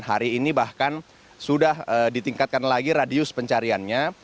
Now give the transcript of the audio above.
hari ini bahkan sudah ditingkatkan lagi radius pencariannya